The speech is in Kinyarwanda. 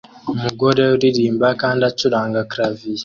Umugore uririmba kandi acuranga clavier